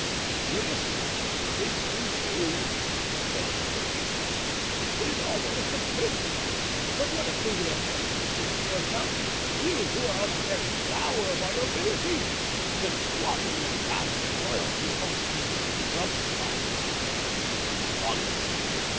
"Yes, 'tis too true," said Comminges, "'tis almost a prison; but what a singular fancy this is of yours, count—you, who are the very flower of our nobility—to squander your valor and loyalty amongst these upstarts, the Frondists!